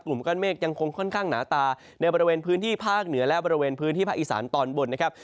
ก้อนเมฆยังคงค่อนข้างหนาตาในบริเวณพื้นที่ภาคเหนือและบริเวณพื้นที่ภาคอีสานตอนบนนะครับ